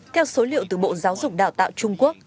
theo số liệu từ bộ giáo dục đào tạo trung quốc